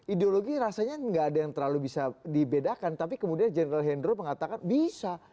ideologi rasanya nggak ada yang terlalu bisa dibedakan tapi kemudian general hendro mengatakan bisa